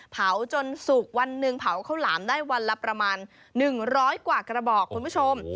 เผาจนสุกวันหนึ่งเผาข้าวหลามได้วันละประมาณ๑๐๐กว่ากระบอกคุณผู้ชม